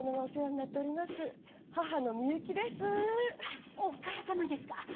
あっお母様ですか？